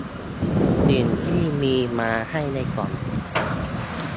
สิ่งที่มีมาให้ในกล่อง